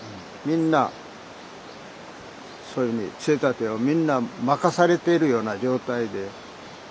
みんなそういうふうに杖立をみんな任されているような状態で。